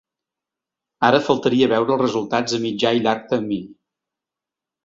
Ara faltaria veure els resultats a mitjà i llarg termini.